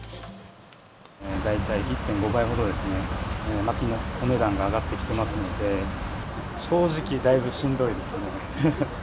大体１．５倍ほどですね、まきのお値段が上がってきてますので、正直、だいぶしんどいですね。